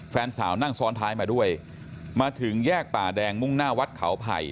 แฟนสาวนั่งซ้อนท้ายมาด้วยมาถึงแยกป่าแดงมุ่งหน้าวัดเขาไผ่